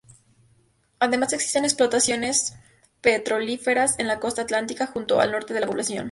Además existen explotaciones petrolíferas en la costa atlántica justo al norte de la población.